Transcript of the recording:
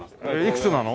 いくつなの？